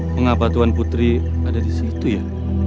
mengapa tuhan putri ada disitu ya